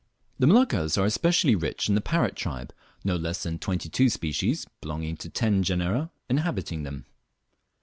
The Moluccas are especially rich in the parrot tribe, no less than twenty two species, belonging to ten genera, inhabiting them.